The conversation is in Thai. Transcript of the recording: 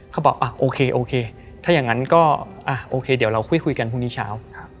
เขาบอกโอเคโอเคถ้าอย่างนั้นก็โอเคเดี๋ยวเราคุยกันพรุ่งนี้เช้า